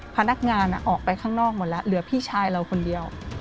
พนักงานออกไปข้างนอกหมดแล้วเหลือพี่ชายเราคนเดียว